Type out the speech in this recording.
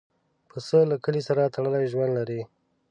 پسه له کلي سره تړلی ژوند لري.